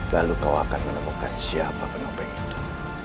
lalu kau akan menemukan siapa penopeng itu